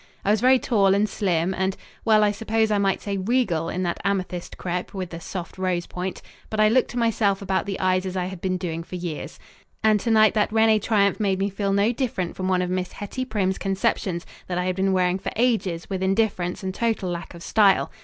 I was very tall and slim and well, I suppose I might say regal in that amethyst crêpe with the soft rose point, but I looked to myself about the eyes as I had been doing for years. And to night that Rene triumph made me feel no different from one of Miss Hettie Primm's conceptions that I had been wearing for ages with indifference and total lack of style.